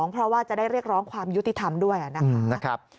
เพราะว่าจะได้เรียกร้องความยุติธรรมด้วยนะครับ